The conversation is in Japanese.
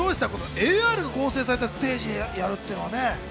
ＡＲが合成されたステージでやるのは。